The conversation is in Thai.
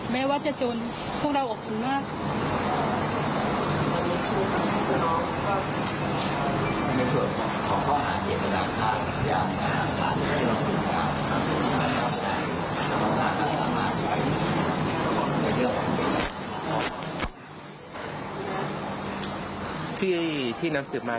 แม้ว่าจะจนพวกเราอบอุ่นมาก